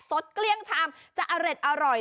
เกลี้ยงชามจะอร่อย